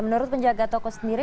menurut penjaga toko sendiri